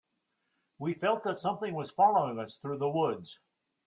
We felt that something was following us through the woods.